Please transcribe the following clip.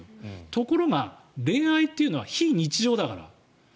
ところが、恋愛というのは非日常だから。